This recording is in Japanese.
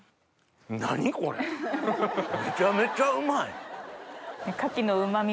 何これめちゃめちゃうまい。